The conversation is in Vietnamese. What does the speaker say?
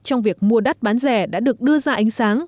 trong việc mua đắt bán rẻ đã được đưa ra ánh sáng